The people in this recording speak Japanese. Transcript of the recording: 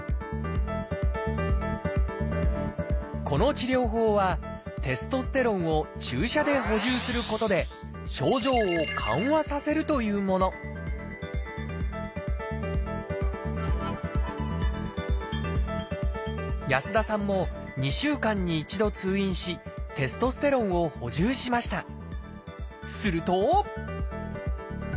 この治療法はテストステロンを注射で補充することで症状を緩和させるというもの安田さんも２週間に一度通院しテストステロンを補充しました。